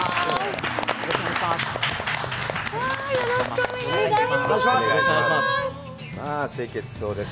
よろしくお願いします。